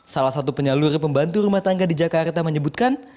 salah satu penyalur pembantu rumah tangga di jakarta menyebutkan